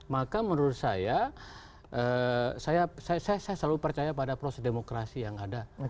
maka menurut saya saya selalu percaya pada proses demokrasi yang ada